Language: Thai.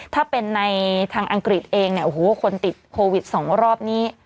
ถ้าเป็นในทางอังกฤษเองคุณติดโควิดที่สองรอบนี้